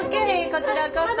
こちらこそ。